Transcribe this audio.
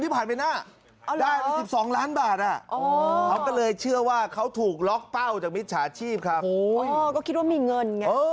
เป้าจากมิตรฉาชีพครับก็คิดว่ามีเงิน